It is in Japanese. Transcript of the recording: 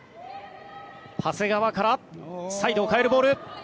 長谷川からサイドを変えるボール。